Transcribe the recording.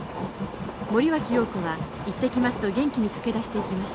森脇瑤子は行ってきますと元気に駆け出していきました。